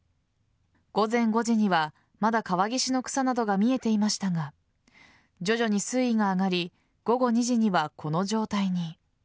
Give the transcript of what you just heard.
午前５時にはまだ河岸の草などが見えていましたが徐々に水位が上がり午後２時にはこの状態に。